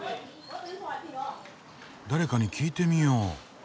誰かに聞いてみよう。